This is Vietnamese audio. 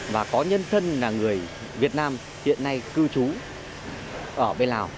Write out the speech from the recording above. và có nhân thân là người việt nam hiện nay cư trú ở bên lào